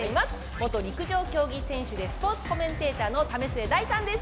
元陸上競技選手でスポーツコメンテーターの為末大さんです！